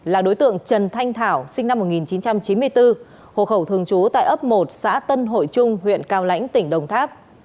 là đối tượng trần thanh thảo sinh năm một nghìn chín trăm chín mươi bốn hộ khẩu thường trú tại ấp một xã tân hội trung huyện cao lãnh tỉnh đồng tháp